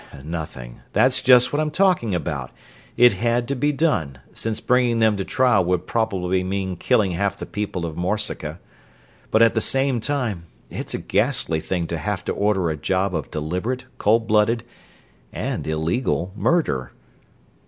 "Nothing that's just what I'm talking about. It had to be done, since bringing them to trial would probably mean killing half the people of Morseca; but at the same time it's a ghastly thing to have to order a job of deliberate, cold blooded, and illegal murder."